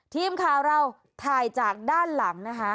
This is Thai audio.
ทีมข่าวเราถ่ายจากด้านหลังนะคะ